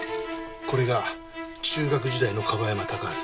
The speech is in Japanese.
これが中学時代の樺山貴明。